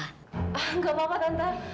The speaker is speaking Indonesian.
gak apa apa tante